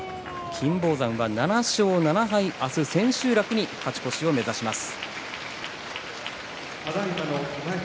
金峰山は７勝７敗明日、千秋楽に勝ち越しを目指します。